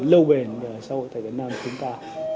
lâu bền nhà ở xã hội việt nam của chúng ta